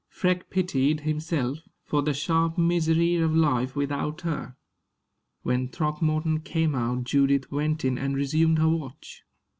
Freke pitied himself, for the sharp misery of life without her. When Throckmorton came out, Judith went in and resumed her watch.